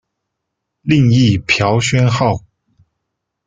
另译朴宣浩。